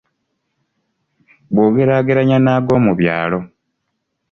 Bw’ogeraageranya n’ag’omu byalo.